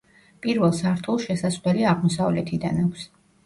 პირველ სართულს შესასვლელი აღმოსავლეთიდან აქვს.